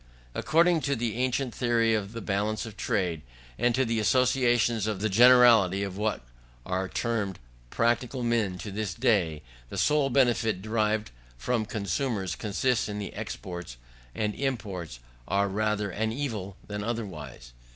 According to the ancient theory of the balance of trade, and to the associations of the generality of what are termed practical men to this day, the sole benefit derived from commerce consists in the exports, and imports are rather an evil than otherwise.